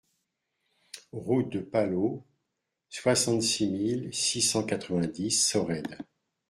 Route de Palau, soixante-six mille six cent quatre-vingt-dix Sorède